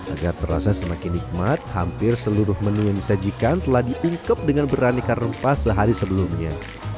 agar terasa semakin nikmat hampir seluruh menu yang disajikan telah diungkep dengan beranikan rempah sehari sebelumnya